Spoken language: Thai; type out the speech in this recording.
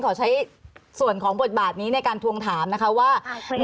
ขอใช้ส่วนของบทบาทนี้ในการทวงถามนะคะว่า